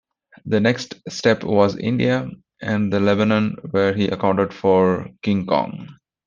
The next step was India, and then Lebanon where he accounted for King Kong.